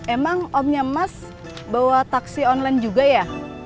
emang omnya mas bawa taksi online juga ya